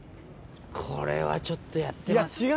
これはちょっとやってます。